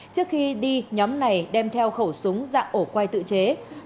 trước khi đi nhóm này đem theo khẩu súng dạng ổ quay tự chế